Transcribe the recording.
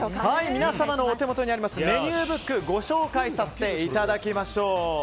皆さんのお手元にあるメニューブックご紹介させていただきましょう。